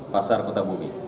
pasar kota bumi